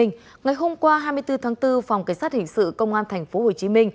ngày hôm qua hai mươi bốn tháng bốn phòng cảnh sát hình sự công an tp hcm